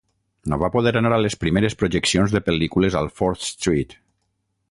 No va poder anar a les primeres projeccions de pel·lícules al Fourth Street.